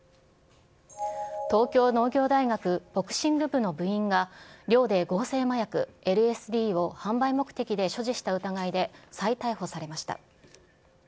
東京農業大学ボクシング部の部員が、寮で合成麻薬ＬＳＤを販売目的で所持した疑いで再逮捕されました。